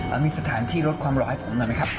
มีสถานที่ลดความหล่อให้ผมหน่อยไหมครับ